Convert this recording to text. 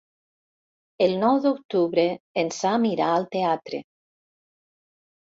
El nou d'octubre en Sam irà al teatre.